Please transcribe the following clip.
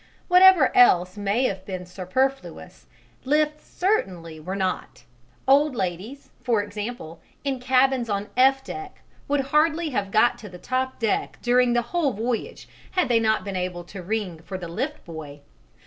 Whatever else may have been superfluous, lifts certainly were not: old ladies, for example, in cabins on F deck, would hardly have got to the top deck during the whole voyage had they not been able to ring for the lift boy.